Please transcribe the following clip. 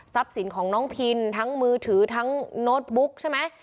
สินของน้องพินทั้งมือถือทั้งโน้ตบุ๊กใช่ไหม